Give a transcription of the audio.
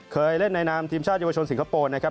เคยเล่นในนามทีมชาติเยาวชนสิงคโปร์นะครับ